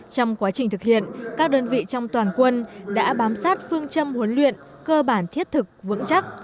trong quá trình thực hiện các đơn vị trong toàn quân đã bám sát phương châm huấn luyện cơ bản thiết thực vững chắc